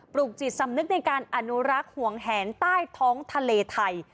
ลูกจิตสำนึกในการอนุรักษ์ห่วงแหนใต้ท้องทะเลไทย